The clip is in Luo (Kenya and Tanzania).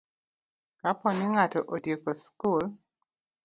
Kapo ni ng'ato otieko skul